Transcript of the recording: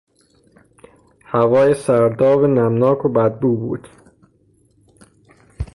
هوای سرداب نمناک و بد بو بود.